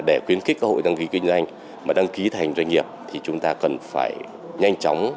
để quyến kích các hộ kinh doanh mà đăng ký thành doanh nghiệp thì chúng ta cần phải nhanh chóng